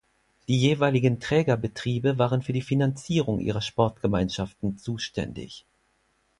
Die jeweiligen Trägerbetriebe waren für die Finanzierung ihrer Sportgemeinschaften zuständig.